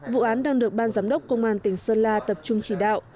vụ án đang được ban giám đốc công an tỉnh sơn la tập trung chỉ đạo